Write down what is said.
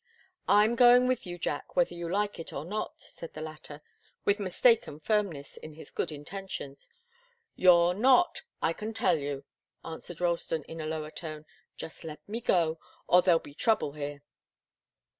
"I'm going with you, Jack, whether you like it or not," said the latter, with mistaken firmness in his good intentions. "You're not, I can tell you!" answered Ralston, in a lower tone. "Just let me go or there'll be trouble here."